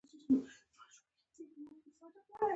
ماشومه ژر يو ګام وړاندې د هغه لوري ته ورغله.